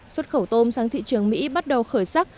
xuất khẩu tôm sang thị trường mỹ bắt đầu khởi sắc